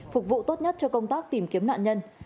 phục vụ tốt nhất cho công tác tìm kiếm nạn nhân